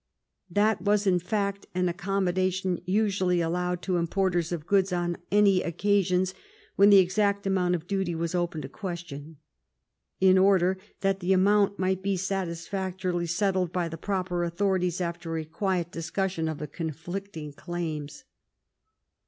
That was, in fact, an ac commodation usually allowed to importers of goods on any occasions when the exact amount of duty was open to question, in order that the amount might be satis factorily settled by the proper authorities after a quiet discussion of the conflicting claims.